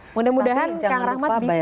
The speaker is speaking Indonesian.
mudah mudahan kang rahmat bisa